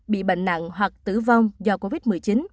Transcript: bị bệnh nặng hoặc tử vong do covid một mươi chín